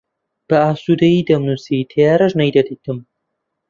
بە ئاسوودەیی دەمنووسی، تەیارەش نەیدەدیتم